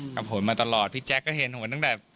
กับห่วงมาตลอดพี่แจ็คก็ได้เห็นห่วงตั้งแต่